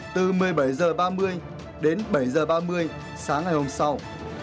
từ một mươi bảy h ba mươi đến bảy h ba mươi sáng ngày hôm sau